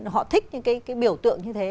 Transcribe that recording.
họ thích những cái biểu tượng như thế